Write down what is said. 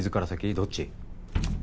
どっち？